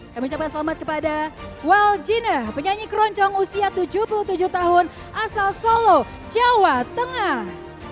kami ucapkan selamat kepada waljina penyanyi keroncong usia tujuh puluh tujuh tahun asal solo jawa tengah